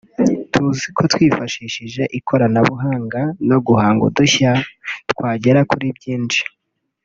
tuzi ko twifashishije ikoranabuhanga no guhanga udushya twagera kuri byinshi